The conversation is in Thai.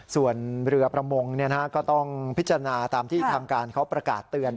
ส่วนเรือประมงก็ต้องพิจารณาตามที่ทางการเขาประกาศเตือน